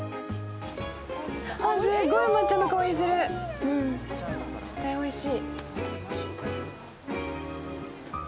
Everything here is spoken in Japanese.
すごい抹茶の香りがする、絶対おいしい。